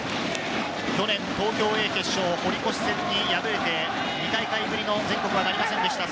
去年、東京Ａ決勝、堀越戦に敗れて、２大会ぶりの全国はなりませんでした。